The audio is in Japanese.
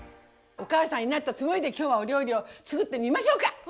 お母さんになったつもりで今日はお料理を作ってみましょうか！